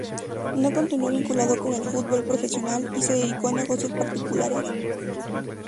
No continuó vinculado con el fútbol profesional y se dedicó a negocios particulares.